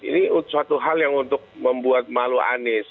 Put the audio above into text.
ini suatu hal yang untuk membuat malu anies